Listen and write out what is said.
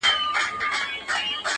دا وايي دا توره بلا وړي څوك,